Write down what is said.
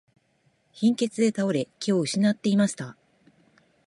貧血で倒れ、気を失っていました。